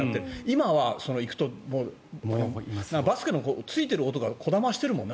今は行くと、バスケのついている音がこだましてるもんね。